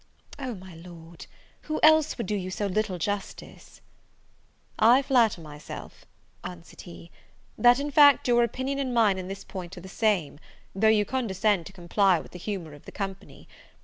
"O, my Lord, who else would do you so little justice?" "I flatter myself," answered he, "that, in fact, your opinion and mine, in this point, are the same, though you condescended to comply with the humour of the company.